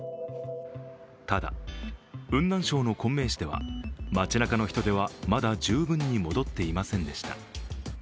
ただ、雲南省の昆明市では街なかの人出はまだ十分に戻っていませんでした。